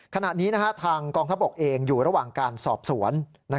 ขณะนี้ทางกองทัพบกเองอยู่ระหว่างการสอบสวน